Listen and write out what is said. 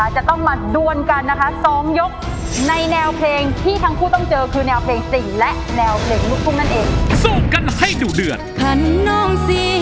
จะต้องมาดวนกันนะคะสองยกในแนวเพลงที่ทั้งคู่ต้องเจอคือแนวเพลงสิ่งและแนวเพลงรุ่นพรุ่งนั่นเอง